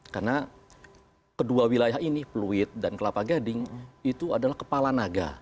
karena kedua wilayah ini pluit dan kelapa gading itu adalah kepala naga